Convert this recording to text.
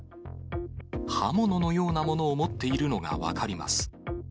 刃物のようなものを持っているのが分かります。